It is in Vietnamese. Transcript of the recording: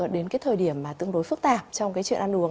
đến cái thời điểm mà tương đối phức tạp trong cái chuyện ăn uống